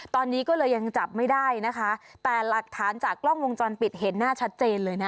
ตอนนี้ก็เลยยังจับไม่ได้นะคะแต่หลักฐานจากกล้องวงจรปิดเห็นหน้าชัดเจนเลยนะ